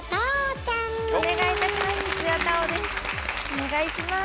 お願いします。